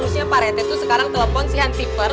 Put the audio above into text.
harusnya pak rete tuh sekarang telepon si hansifer